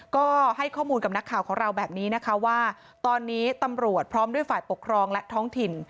ก็ให้ข้อมูลกับนักข่าวของเราแบบนี้นะคะว่าตอนนี้ตำรวจพร้อมด้วยฝ่ายปกครองและท้องถิ่น